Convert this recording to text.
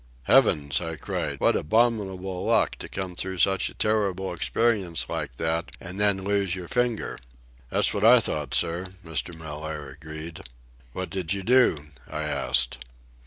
"Heavens!" I cried. "What abominable luck to come through such a terrible experience like that and then lose your finger!" "That's what I thought, sir," Mr. Mellaire agreed. "What did you do?" I asked.